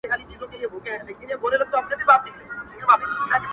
• هغه راغی لکه خضر ځلېدلی,